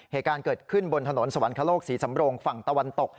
เหตุการณ์เกิดขึ้นบนถนนสวรรคโลกศรีสำโรงฝั่งตะวันตก